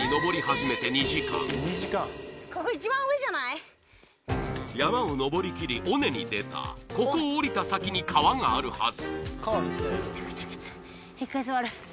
すでに山を登りきり尾根に出たここを下りた先に川があるはず